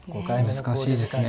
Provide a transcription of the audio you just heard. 難しいですね。